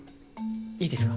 いいですか？